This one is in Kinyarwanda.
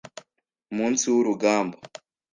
munsi w urugamba